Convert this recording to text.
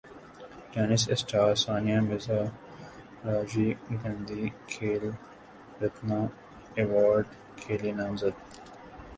tennis star Sania Mirza Rajiv Gandhi Khel Ratna ایوارڈکیلئے نامزد